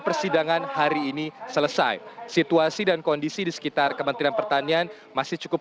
persidangan hari ini selesai situasi dan kondisi di sekitar kementerian pertanian masih cukup